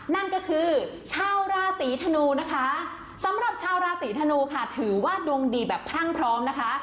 นั่นก็คือชาวราศีธนูนะคะสำหรับชาวราศีธนูค่ะถือว่าดวงดีแบบพรั่งพร้อมนะคะ